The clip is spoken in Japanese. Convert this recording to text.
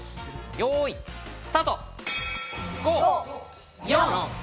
よい、スタート！